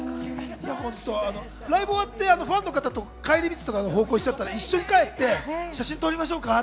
ライブ終わって、ファンの方と帰り道が方向が一緒だったら一緒に帰って、写真撮りましょうか？